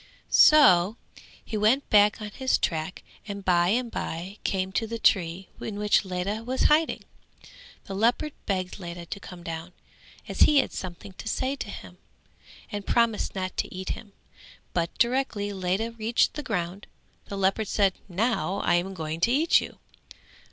So he went back on his track and by and bye came to the tree in which Ledha was hiding. The leopard begged Ledha to come down, as he had something to say to him, and promised not to eat him; but directly Ledha reached the ground the leopard said "Now I am going to eat you."